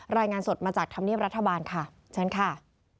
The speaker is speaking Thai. รายงานสดมาจากธรรมเนียบรัฐบาลค่ะเชิญค่ะ